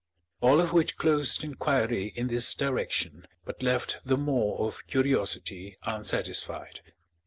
All of which closed inquiry in this direction, but left the maw of curiosity unsatisfied.